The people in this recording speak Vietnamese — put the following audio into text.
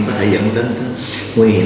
có thể dẫn đến nguy hiểm